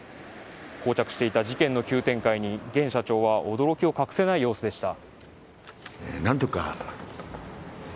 膠着していた事件の急展開に現社長は驚きを隠せない様子でした。